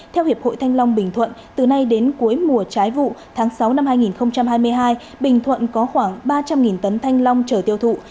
theo hiệp hội thanh long bình thuận từ nay đến cuối mùa trái vụ tháng sáu năm hai nghìn hai mươi hai bình thuận có khoảng ba trăm linh tấn thanh long chở tiêu thụ